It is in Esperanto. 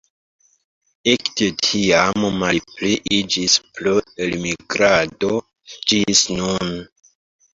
Ekde tiam malpliiĝis pro elmigrado ĝis nun.